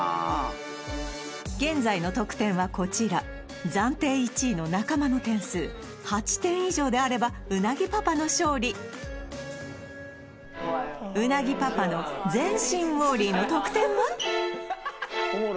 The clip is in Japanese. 現在の得点はこちら暫定１位の中間の点数８点以上であれば鰻パパの勝利鰻パパの全身ウォーリーの得点は？